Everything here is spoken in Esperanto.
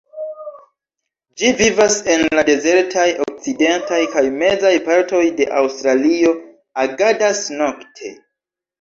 Ĝi vivas en la dezertaj okcidentaj kaj mezaj partoj de Aŭstralio, agadas nokte.